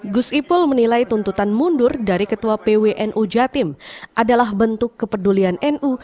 gus ipul menilai tuntutan mundur dari ketua pwnu jatim adalah bentuk kepedulian nu